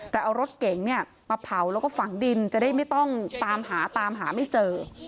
แต่เอารถเก๋งเนี่ยมาเผาแล้วก็ฝังดินจะได้ไม่ต้องตามหาตามหาไม่เจอ